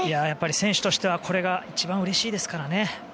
選手としてはこれが一番うれしいですからね。